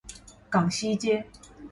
港西街